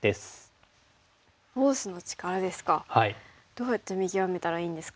どうやって見極めたらいいんですか？